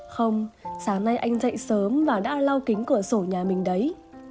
không sáng nay anh dạy sớm và đã lau kính cửa sổ nhà mình đấy